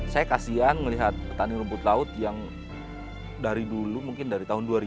saya kasian melihat petani rumput laut yang dari dulu mungkin dari tahun dua ribu